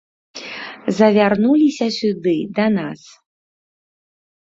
Завярнуліся сюды да нас.